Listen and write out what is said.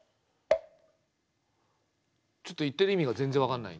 ちょっと言ってる意味がぜんぜんわかんない。